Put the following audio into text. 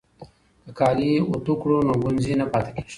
که کالي اوتو کړو نو ګونځې نه پاتې کیږي.